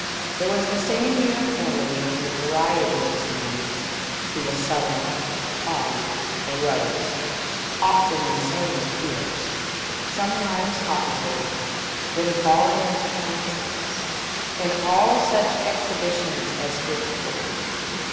There was the same uniformity in the variety of his moods ; he was sullen, haughty, morose, often insanely fierce, sometimes talkative, then falling into trances, in all such exhibi tions as heretofore.